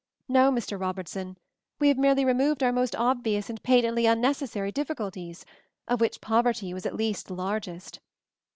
No, Mr. Robertson, we have merely removed our most obvious and patently un necessary difficulties, of which poverty was at least the largest.